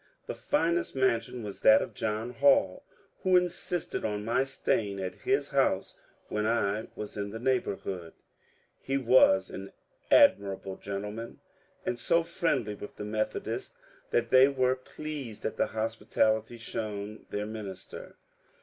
The finest mansion was that of John Hall, who insisted on my staying at his house when I was in the neighbourhood. He was an admirable gen tleman and so friendly with the Methodists that they were pleased at the hospitality shown their minister.